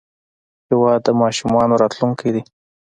هېواد د ماشومانو راتلونکی دی.